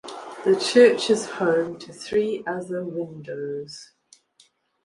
The church is home to three other windows.